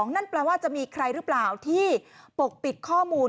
นั่นแปลว่าจะมีใครหรือเปล่าที่ปกปิดข้อมูล